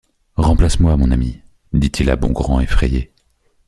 Remplacez-moi, mon ami, dit-il à Bongrand effrayé